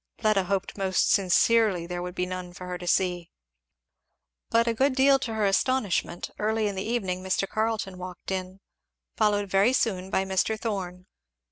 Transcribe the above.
Fleda hoped most sincerely there would be none for her to see. But a good deal to her astonishment, early in the evening Mr. Carleton walked in, followed very soon by Mr. Thorn.